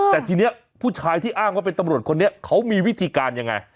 แต่ทีนี้ผู้ชายที่อ้างว่าเป็นตำรวจคนนี้เขามีวิธีการยังไง